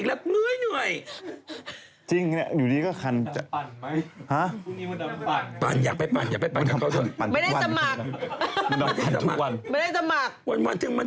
แล้วยุงกัดอีกแล้วเงื่อย